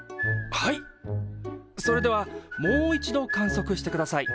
それではもう一度観測してください。